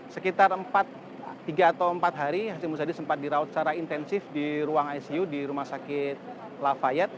sekitar tiga atau empat hari hashim musadi sempat dirawat secara intensif di ruang icu di rumah sakit lafayet